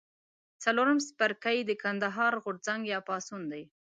څلورم څپرکی د کندهار غورځنګ یا پاڅون دی.